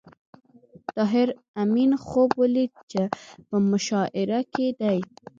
طاهر آمین خوب ولید چې په مشاعره کې دی